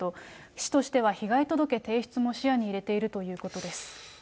市としては被害届提出も視野に入れているということです。